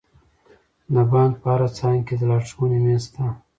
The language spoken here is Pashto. د بانک په هره څانګه کې د لارښوونې میز شته.